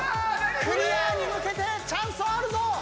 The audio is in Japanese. クリアに向けてチャンスはあるぞ！